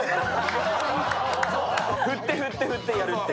振って振って振ってやるっていう。